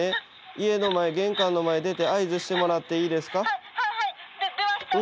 家の前玄関の前出て合図してもらっていいですか？